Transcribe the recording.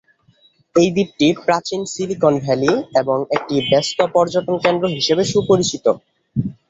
এই দ্বীপটি "প্রাচ্যের সিলিকন ভ্যালি" এবং একটি ব্যস্ত পর্যটন কেন্দ্র হিসাবে সুপরিচিত।